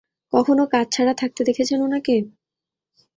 কখনও কাজ ছাড়া থাকতে দেখেছেন উনাকে?